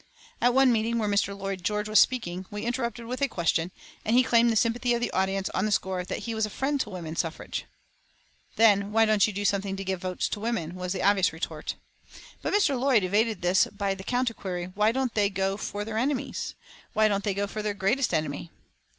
At one meeting where Mr. Lloyd George was speaking, we interrupted with a question, and he claimed the sympathy of the audience on the score that he was a friend to woman suffrage. "Then why don't you do something to give votes to women?" was the obvious retort. But Mr. Lloyd George evaded this by the counter query: "Why don't they go for their enemies? Why don't they go for their greatest enemy?"